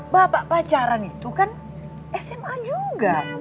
bapak pacaran itu kan sma juga